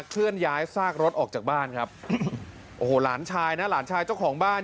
เคลื่อนย้ายซากรถออกจากบ้านครับโอ้โหหลานชายนะหลานชายเจ้าของบ้าน